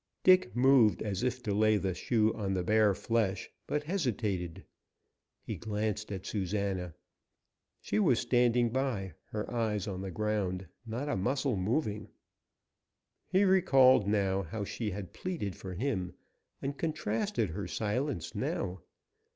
Dick moved as if to lay the shoe on the bare flesh, but hesitated. He glanced at Susana. She was standing by, her eyes on the ground, not a muscle moving. He recalled how she had pleaded for him, and contrasted her silence now.